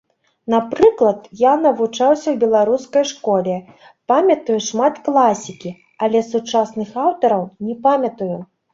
Напрыклад, я навучаўся ў беларускай школе, памятаю шмат класікі, але сучасных аўтараў не памятаю.